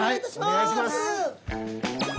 お願いします。